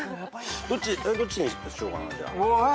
どっちにしようかなじゃあ。